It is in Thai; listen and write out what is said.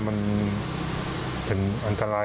มันเป็นอันตราย